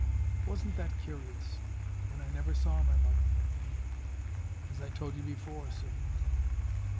Wasn't that curious, when I never saw my mother, as I told you before, sir?"